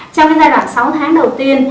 trong giai đoạn sáu tháng đầu tiên